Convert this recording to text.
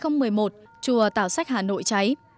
năm hai nghìn một mươi một chùa tảo sách hà nội cháy